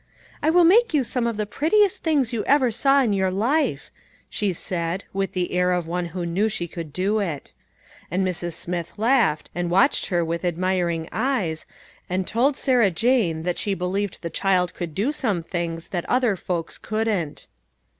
" I will make you some of the prettiest things you ever saw A BARGAIN AND A PROMISE. 167 in your life," she said, with the air of one who knew she could do it. And Mrs. Smith laughed, and watched her with admiring eyes, and told Sarah Jane that she believed the child could do some things that other folks couldn't.